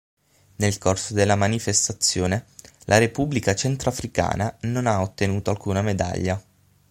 Nel corso della manifestazione la Repubblica Centrafricana non ha ottenuto alcuna medaglia.